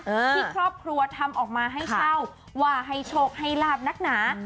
ที่ครอบครัวทำออกมาให้เช่าว่าให้โชคให้ลาบนักหนา